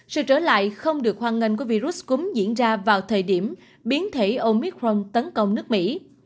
sự trở lại không được hoan nghênh của virus cúm diễn ra vào thời điểm biến thể omicron tấn công nước mỹ